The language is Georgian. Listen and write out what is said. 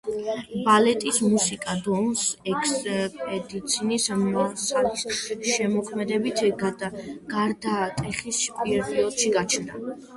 ბალეტის მუსიკა დონის ექსპედიციის მასალის შემოქმედებითი გარდატეხის პერიოდში გაჩნდა.